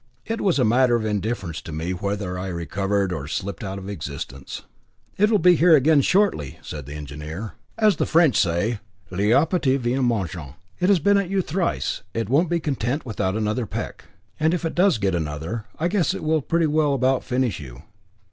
It was a matter of indifference to me whether I recovered or slipped out of existence. "It will be here again shortly," said the engineer. "As the French say, l'appetit vient en mangeant. It has been at you thrice, it won't be content without another peck. And if it does get another, I guess it will pretty well about finish you."